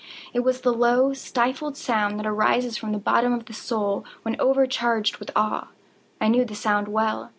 —it was the low stifled sound that arises from the bottom of the soul when overcharged with awe. I knew the sound well.